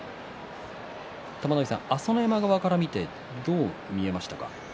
朝乃山側から見てどう見えましたか？